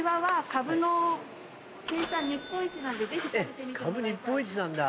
カブ日本一なんだ。